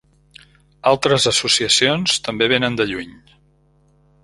Altres associacions també vénen de lluny.